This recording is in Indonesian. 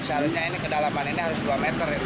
seharusnya ini kedalaman ini harus dua meter